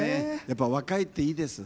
やっぱ若いっていいです。